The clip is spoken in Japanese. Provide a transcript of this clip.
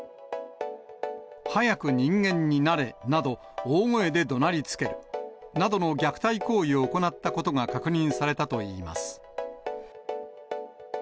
早く人間になれなど、大声でどなりつけるなどの虐待行為を行ったことが確認されたといいます。